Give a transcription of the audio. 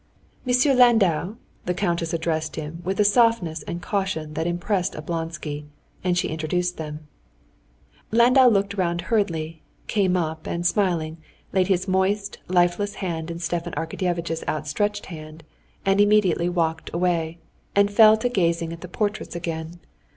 "Monsieur Landau!" the countess addressed him with a softness and caution that impressed Oblonsky. And she introduced them. Landau looked round hurriedly, came up, and smiling, laid his moist, lifeless hand in Stepan Arkadyevitch's outstretched hand and immediately walked away and fell to gazing at the portraits again.